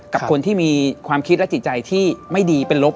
กับคนที่มีความคิดและจิตใจที่ไม่ดีเป็นลบ